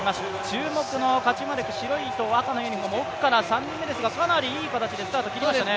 注目のカチュマレク、白と赤のユニフォーム、奥から３人目ですが、かなりいい形でスタートを切りましたね。